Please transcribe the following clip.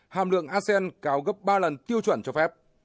hàm lượng asean cao gấp ba lần tiêu chuẩn cho phép